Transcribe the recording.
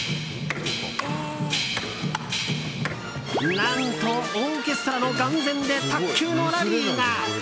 何と、オーケストラの眼前で卓球のラリーが。